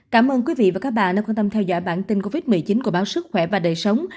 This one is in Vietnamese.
cảm ơn quý vị và các bạn đã quan tâm theo dõi bản tin covid một mươi chín của báo sức khỏe và đời sống